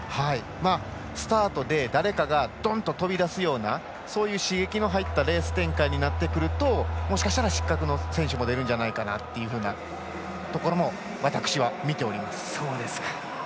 スタートで誰かがドンと飛び出すようなそういう刺激の入ったレース展開になってくるともしかしたら失格の選手も出るんじゃないかなというようなところも私は見ております。